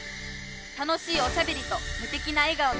「『た』のしいおしゃべりとむてきなえがおのメ『イ』」！